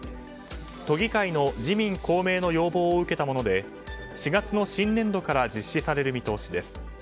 都議会の自民・公明の要望を受けたもので４月の新年度から実施される見通しです。